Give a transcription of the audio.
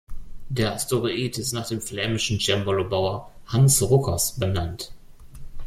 Der Asteroid ist nach dem flämischen Cembalobauer "Hans Ruckers" benannt.